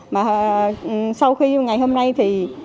mà sau khi ngày hôm nay thì